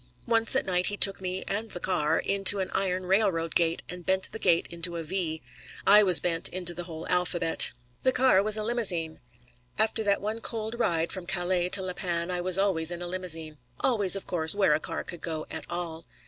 Once at night he took me and the car into an iron railroad gate, and bent the gate into a V. I was bent into the whole alphabet. The car was a limousine. After that one cold ride from Calais to La Panne I was always in a limousine always, of course, where a car could go at all.